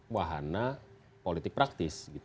wahana politik praktis